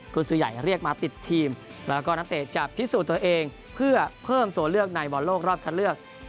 คุณซื้อใหญ่เรียกมาติดทีมแล้วก็นักเตะจะพิสูจน์ตัวเองเพื่อเพิ่มตัวเลือกในบอลโลกรอบคัดเลือก